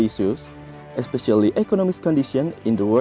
terutama keadaan ekonomi di bagian dunia